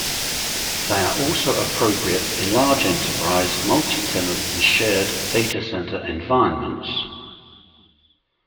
They are also appropriate in large enterprise, multi-tenant and shared data center environments.